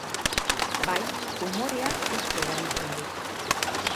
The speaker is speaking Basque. Bai, umorea asko erabiltzen dut.